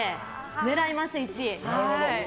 狙います、１位。